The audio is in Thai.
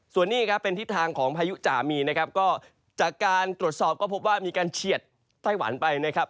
ส่วนนี้ครับเป็นทิศทางของพายุจ่ามีนะครับก็จากการตรวจสอบก็พบว่ามีการเฉียดไต้หวันไปนะครับ